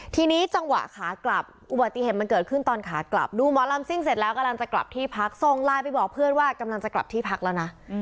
ทีนี้จังหวะขากลับอุบัติเหตุมันเกิดขึ้นตอนขากลับดูหมอลำซิ่งเสร็จแล้วกำลังจะกลับที่พักส่งไลน์ไปบอกเพื่อนว่ากำลังจะกลับที่พักแล้วนะ